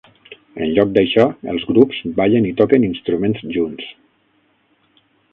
En lloc d'això, els grups ballen i toquen instruments junts.